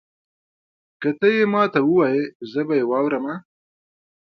که تۀ یې ماته ووایي زه به یې واورمه.